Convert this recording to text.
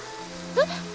えっ？